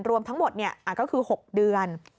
รวมทั้งหมดก็คือ๖เดือน